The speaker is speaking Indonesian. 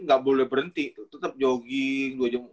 gak boleh berhenti tetep jogging